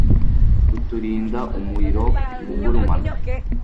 kuturinda umuriro ugurumana